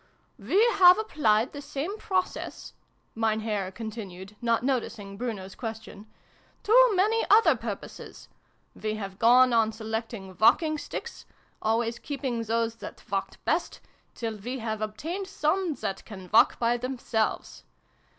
" We have applied the same process," Mein Herr continued, not noticing Bruno's ques tion, " to many other purposes. We have gone on selecting walking sticks always keeping those that walked best till' we have obtained some, that can walk by themselves